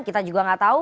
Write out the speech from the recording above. kita juga gak tahu